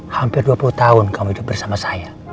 hampir dua puluh tahun kamu hidup bersama saya